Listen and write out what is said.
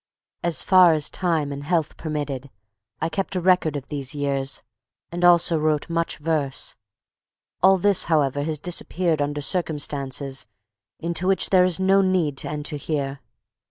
As far as time and health permitted, I kept a record of these years, and also wrote much verse. All this, however, has disappeared under circumstances into which there is no need to enter here.